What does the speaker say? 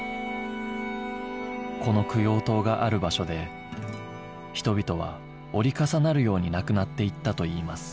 この供養塔がある場所で人々は折り重なるように亡くなっていったといいます